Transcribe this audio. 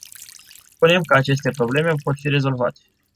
Spunem că aceste probleme pot fi rezolvate.